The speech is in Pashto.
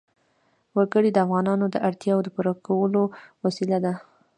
وګړي د افغانانو د اړتیاوو د پوره کولو وسیله ده.